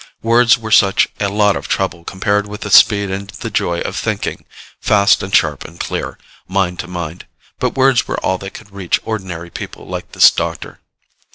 Words were such a lot of trouble compared with the speed and the joy of thinking, fast and sharp and clear, mind to mind! But words were all that could reach ordinary people like this doctor.